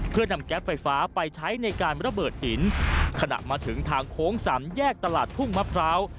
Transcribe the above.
เพื่อนำแก๊ปไฟฟ้าไปใช้ในการระเบิดหินขณะมาถึงทางโค้งสามแยกตลาดทุ่งมะพร้าว